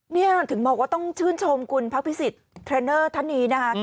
นี่ถึงบอกว่าต้องชื่นชมคุณพักพิสิทธิเทรนเนอร์ท่านนี้นะคะ